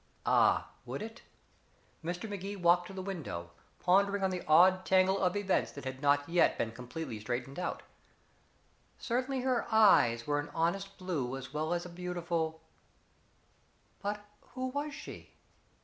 Ah, would it? Mr. Magee walked to the window, pondering on the odd tangle of events that had not yet been completely straightened out. Certainly her eyes were an honest blue as well as a beautiful but who was she?